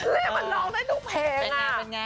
เล่มออกได้ทุกเพลงอะ